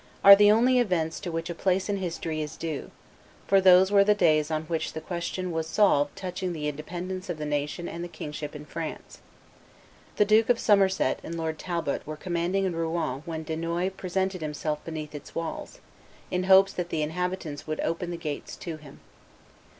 are the only events to which a place in history is due, for those were the days on which the question was solved touching the independence of the nation and the kingship in France. The Duke of Somerset and Lord Talbot were commanding in Rouen when Dunois presented himself beneath its walls, in hopes that the inhabitants would open the gates to him.